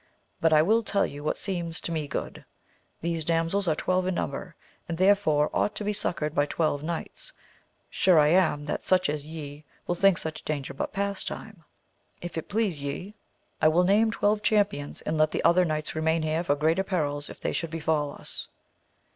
But I will tell you what seems to me good : these damsels are twelve in number, and therefore ought to be suc coured by twelve knights. Sure I am that such as ye will think such danger but pastime, if it please ye I AMADIS OF 6 JUL. 127 will name twelve champions, and let the other knights remain here for greater perils if they should befal us.